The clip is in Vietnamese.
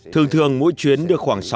thường thường mỗi chuyến được khoảng sáu ngày